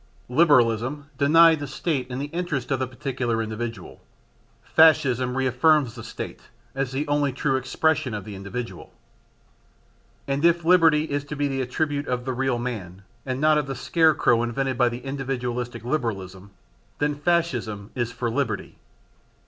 Liberalism denied the State in the interests of the particular individual; Fascism reaffirms the State as the only true expression of the individual. And if liberty is to be the attribute of the real man, and not of the scarecrow invented by the individualistic Liberalism, then Fascism is for liberty.